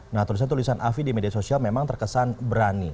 nah tulisan tulisan afi di media sosial memang terkesan berani